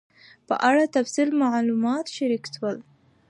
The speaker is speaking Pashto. په اړه تفصیلي معلومات شریک سول